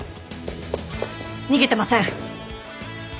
逃げてません。